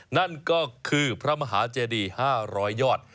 นั่นก็คือพระมหาเจดี๕๐๐ยอด